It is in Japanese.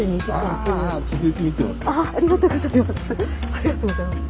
ありがとうございます。